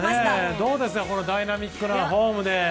どうですかダイナミックなフォームで。